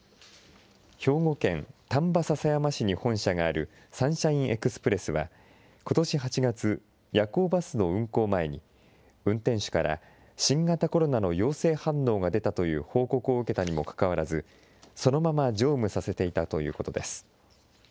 兵庫県丹波篠山市に本社があるサンシャインエクスプレスは、ことし８月、夜行バスの運行前に、運転手から新型コロナの陽性反応が出たという報告を受けたにもかかわらず、そのまま乗務させていたということです。